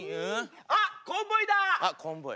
「あっコンボイだ！」。